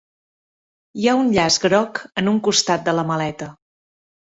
Hi ha un llaç groc en un costat de la maleta.